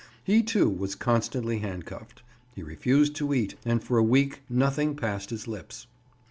He, too, was constantly handcuffed; he refused to eat, and for a week nothing passed his lips.